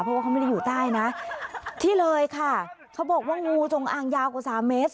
เพราะว่าเขาไม่ได้อยู่ใต้นะที่เลยค่ะเขาบอกว่างูจงอางยาวกว่าสามเมตร